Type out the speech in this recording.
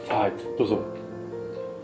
どうぞ。